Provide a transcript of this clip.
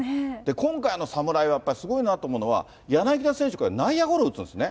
今回の侍は、やっぱりすごいなって思うのが、柳田選手、これ、内野ゴロ打つんですね。